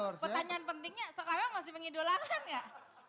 oke pertanyaan pentingnya sekarang masih mengidolakan gak